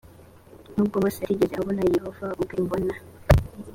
n ubwo mose atigeze abona yehova ubwe imbona